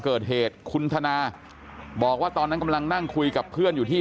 เกิดเหตุคุณธนาบอกว่าตอนนั้นกำลังนั่งคุยกับเพื่อนอยู่ที่